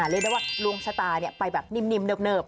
เรียกได้ว่าดวงชะตาไปแบบนิ่มเนิบ